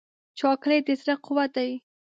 چاکلېټ د زړه قوت دی.